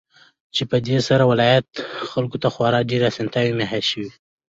چې په دې سره د ولايت خلكو ته خورا ډېرې اسانتياوې مهيا شوې.